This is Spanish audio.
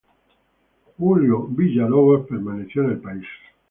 Julio Villalobos permaneció en el país.